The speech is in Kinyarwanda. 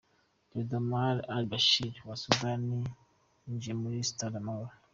: Perezida Omar el Bashir wa Sudan yinjiye muri Stade Amahoro.